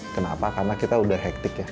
kenapa karena kita sudah hektik